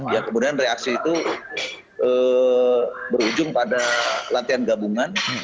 ya kemudian reaksi itu berujung pada latihan gabungan